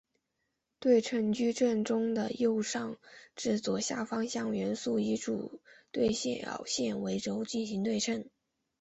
对称矩阵中的右上至左下方向元素以主对角线为轴进行对称。